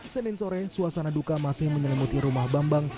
senin sore suasana duka masih menyelimuti rumah bambang